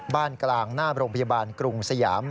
กลางหน้าโรงพยาบาลกรุงสยาม